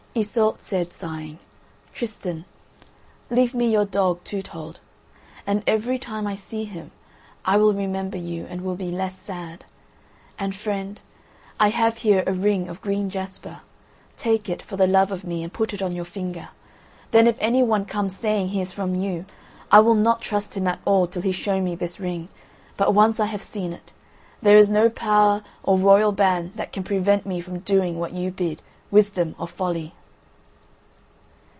Iseult said, sighing: "Tristan, leave me your dog, Toothold, and every time I see him I will remember you, and will be less sad. And, friend, I have here a ring of green jasper. Take it for the love of me, and put it on your finger; then if anyone come saying he is from you, I will not trust him at all till he show me this ring, but once I have seen it, there is no power or royal ban that can prevent me from doing what you bid—wisdom or folly."